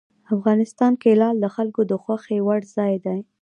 افغانستان کې لعل د خلکو د خوښې وړ ځای دی.